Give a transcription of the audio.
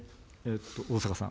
逢坂さん。